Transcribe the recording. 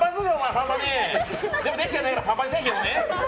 でも、弟子じゃないからパンパンにせえへんけどね。